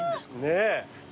ねえ。